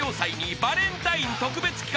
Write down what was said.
［バレンタイン特別企画。